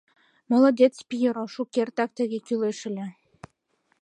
— Молодец Пьеро, шукертак тыге кӱлеш ыле!